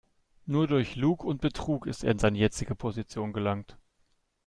Nur durch Lug und Betrug ist er in seine jetzige Position gelangt.